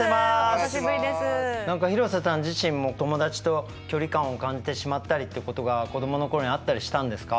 何か廣瀬さん自身も友達と距離感を感じてしまったりってことが子どものころにあったりしたんですか？